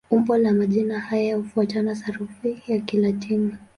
Umbo la majina haya hufuata sarufi ya Kilatini.